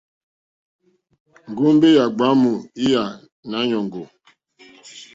Ŋgombe yà gbàamù lyà Nàanyòŋgò.